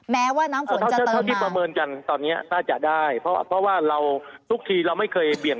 มันก็จะลดจากขันบนมาเรื่อย